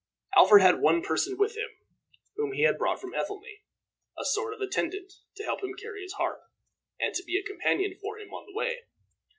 Alfred had one person with him, whom he had brought from Ethelney a sort of attendant to help him carry his harp, and to be a companion for him on the way.